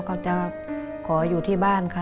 ก็จะขออยู่ที่บ้านค่ะ